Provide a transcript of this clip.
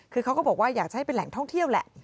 คือเขาก็บอกว่าอยากจะให้เป็นแหล่งท่องเที่ยวแหละ